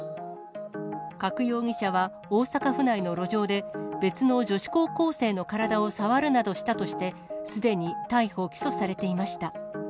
加久容疑者は大阪府内の路上で、別の女子高校生の体を触るなどしたとして、すでに逮捕・起訴されていました。